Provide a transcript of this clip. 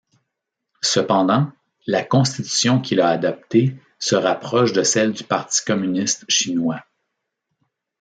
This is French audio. Cependant, la constitution qu'il a adoptée se rapproche de celle du parti communiste chinois.